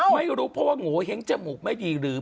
ไม่รู้เพราะว่าโงเห้งจมูกไม่ดีหรือ